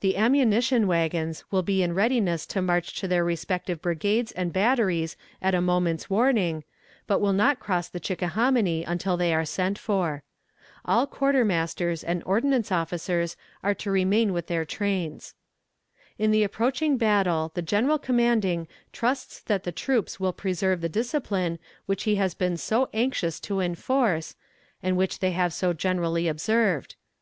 The ammunition wagons will be in readiness to march to their respective brigades and batteries at a moment's warning, but will not cross the Chickahominy until they are sent for. All quarter masters and ordnance officers are to remain with their trains. "In the approaching battle the general commanding trusts that the troops will preserve the discipline which he has been so anxious to enforce, and which they have so generally observed.